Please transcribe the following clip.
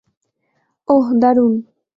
ওহ, দারুণ।